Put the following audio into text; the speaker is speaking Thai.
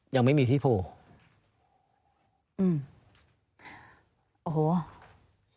ยังไม่มีที่โผล่